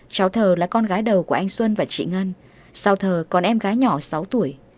cháu thờ là con gái đầu của anh xuân và chị ngân sau thờ còn em gái nhỏ sáu tuổi